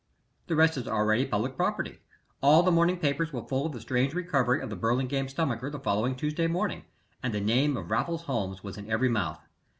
The rest is already public property. All the morning papers were full of the strange recovery of the Burlingame stomacher the following Tuesday morning, and the name of Raffles Holmes was in every mouth.